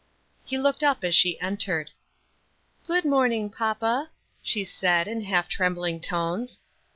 He looked up as she entered. "Good morning, papa," she said, in half trembling tones.